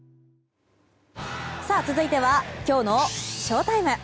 続いてはきょうのＳＨＯＴＩＭＥ。